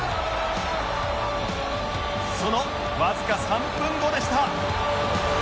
そのわずか３分後でした